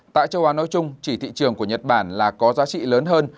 tại châu á nói chung chỉ thị trường của nhật bản là có giá trị lớn hơn